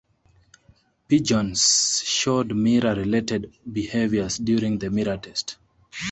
Pigeons showed mirror-related behaviours during the mirror test.